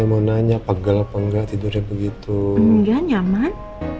mau nanya pagal pengganti duri begitu nyaman